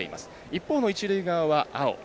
一方の一塁側は青。